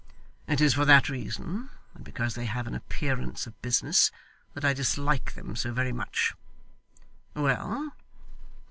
It is for that reason, and because they have an appearance of business, that I dislike them so very much. Well!